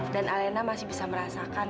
dan alina masih bisa merasakan